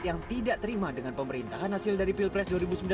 yang tidak terima dengan pemerintahan hasil dari pilpres dua ribu sembilan belas